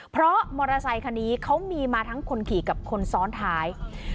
เพราะมอเตอร์ไซคันนี้เขามีมาทั้งคนขี่กับคนซ้อนท้าย